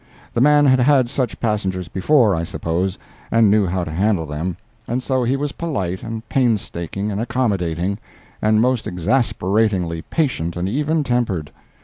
The man had had such passengers before, I suppose, and knew how to handle them, and so he was polite and painstaking and accommodating—and most exasperatingly patient and even tempered.